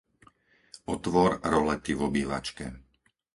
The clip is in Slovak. Otvor rolety v obývačke.